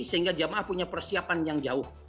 sehingga jamaah punya persiapan yang jauh